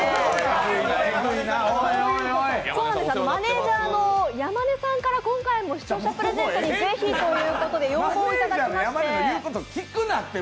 実はマネージャーの山根さんから視聴者プレゼントにぜひということで要望いただきまして。